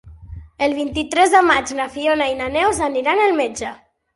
El vint-i-tres de maig na Fiona i na Neus aniran al metge.